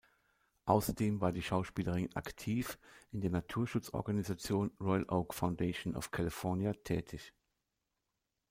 Außerdem war die Schauspielerin aktiv in der Naturschutz-Organisation Royal Oak Foundation of California tätig.